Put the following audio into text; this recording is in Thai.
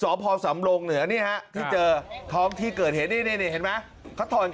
สาวพอร์สำรงแล้วเนี่ยฮะที่เจอครอบคุณ